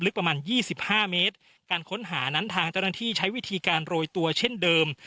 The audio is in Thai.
ประมาณยี่สิบห้าเมตรการค้นหานั้นทางเจ้าหน้าที่ใช้วิธีการโรยตัวเช่นเดิม